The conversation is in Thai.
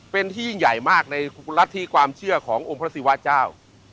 เป็นที่ยิ่งใหญ่มากในรัฐธิความเชื่อขององค์พระศิวาเจ้า